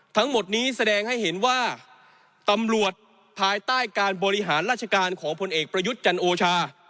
ทั้งหมดนี้แสดงให้เห็นว่าตำรวจภายใต้การบริหารราชการของพลเอกประยุทธ์จันโอชา